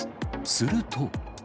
すると。